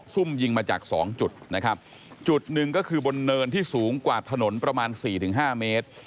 ซุ่มยิงมาจากสองจุดนะครับจุดหนึ่งก็คือบนเนินที่สูงกว่าถนนประมาณสี่ถึงห้าเมตร